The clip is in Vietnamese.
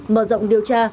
mở rộng điều tra